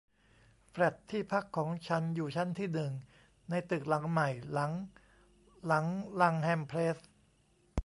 แฟลตที่พักของฉันอยู่ชั้นที่หนึ่งในตึกหลังใหม่หลังหลังลังแฮมเพลส